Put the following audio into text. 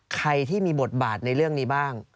ใครที่มีบทบาทในเรื่องนี้บ้าง